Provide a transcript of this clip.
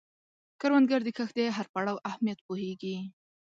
کروندګر د کښت د هر پړاو اهمیت پوهیږي